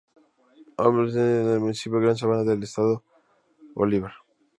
Hace parte administrativamente del Municipio Gran Sabana del Estado Bolívar.